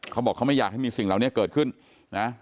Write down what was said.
เขาบอกเขาไม่อยากให้มีสิ่งเหล่านี้เกิดขึ้นนะ